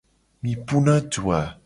Mi puna du a?